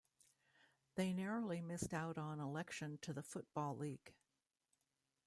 They narrowly missed out on election to the Football League.